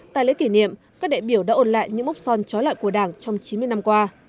tại lễ kỷ niệm các đại biểu đã ôn lại những mốc son trói lọi của đảng trong chín mươi năm qua